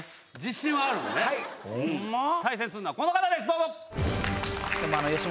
対戦するのはこの方ですどうぞ。